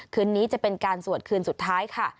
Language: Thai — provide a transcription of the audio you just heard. คืนนี้จะเป็นการสวดคืนสุดท้ายค่ะ